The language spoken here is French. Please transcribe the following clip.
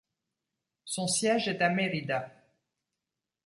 Son siège est à Mérida.